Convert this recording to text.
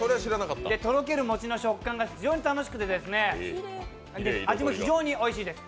とろける餅の食感が非常に楽しくて味も非常においしいです。